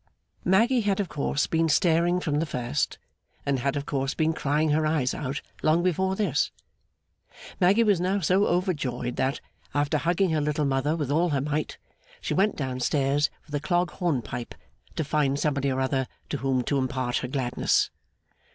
Maggy had of course been staring from the first, and had of course been crying her eyes out long before this. Maggy was now so overjoyed that, after hugging her little mother with all her might, she went down stairs like a clog hornpipe to find somebody or other to whom to impart her gladness.